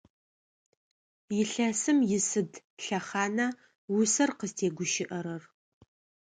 Илъэсым исыд лъэхъана усэр къызтегущыӏэрэр?